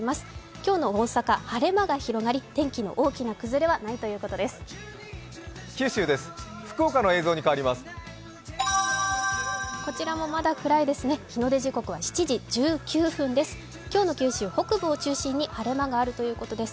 今日の大阪、晴れ間が広がり、天気の大きな崩れはないということです。